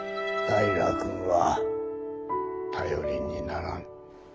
平君は頼りにならん。